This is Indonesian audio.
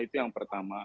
itu yang pertama